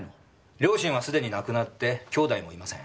両親は既に亡くなって兄弟もいません。